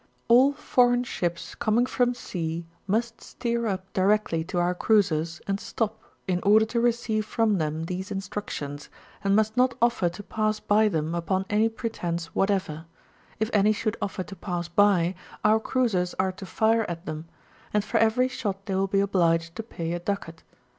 All foreign ships comiiiff from sea must steer up directly to our cruisers, and stop, in order to receive from t£em these instructions, and must not offer to pass by them upon any pretence whatever; if any should offer to pass by, our cruizers are to fire at them; and for every shot the;^ will be obliged to pay a ducat.